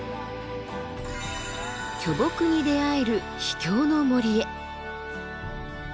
巨木に出会える秘境の森へ。